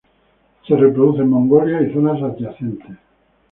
Se reproduce en Mongolia y zonas adyacentes.